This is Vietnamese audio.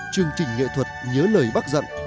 chương trình nghệ thuật nhớ lời bác dặn